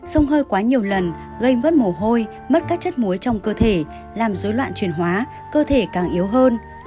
sông hơi quá nhiều lần gây mất mồ hôi mất các chất muối trong cơ thể làm dối loạn truyền hóa cơ thể càng yếu hơn